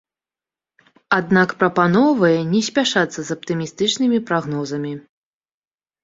Аднак прапаноўвае не спяшацца з аптымістычнымі прагнозамі.